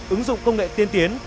ứng dụng công nghệ tiên tiến